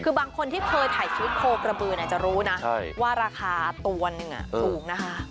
คือบางคนที่เคยถ่ายคลิปโคกระบือเนี่ยจะรู้นะว่าราคาตัวนึงอ่ะสูงนะคะ